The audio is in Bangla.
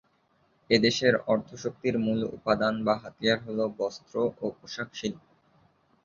এই দেশের অর্থ শক্তির মূল উপাদান বা হাতিয়ার হলো বস্ত্র ও পোশাক শিল্প।